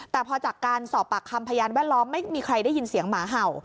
แต่พอจากการสอบปากคำพยานแวดล้อมไม่มีใครได้ยินเสียงหมาเห่า